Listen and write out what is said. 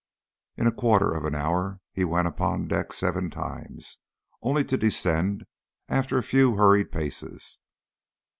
In a quarter of an hour he went upon deck seven times, only to descend after a few hurried paces.